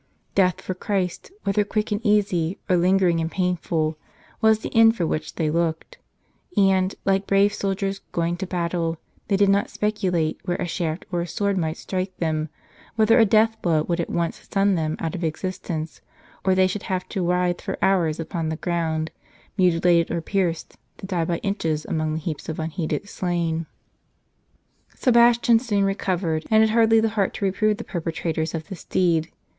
Death for Christ, whether quick and easy, or lingeiing and painful, was the end for which they looked ; and, like brave soldiers going to battle, they did not speculate where a shaft or a sword might strike them, whether a death blow would at once stun them out of existence, or they should have to writhe for hours upon the ground, mutilated or pierced, to die by inches among the heaps of unheeded slain. mrs Sebastian soon recovered, and had hardly the heart to reprove the perpetrators of this deed.